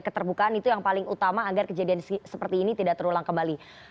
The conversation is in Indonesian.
keterbukaan itu yang paling utama agar kejadian seperti ini tidak terulang kembali